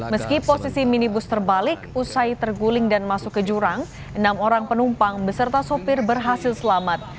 meski posisi minibus terbalik usai terguling dan masuk ke jurang enam orang penumpang beserta sopir berhasil selamat